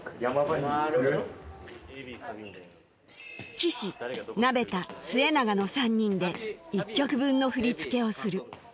岸鍋田末永の３人で１曲分の振り付けをする